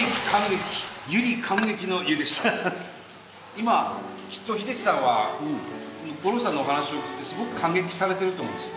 今きっと秀樹さんは五郎さんのお話を聞いてすごく感激されてると思うんですよね。